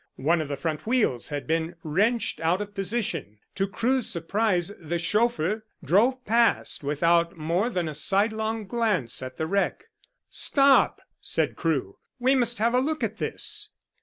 One of the front wheels had been wrenched out of position. To Crewe's surprise the chauffeur drove past without more than a sidelong glance at the wreck. "Stop!" said Crewe. "We must have a look at this."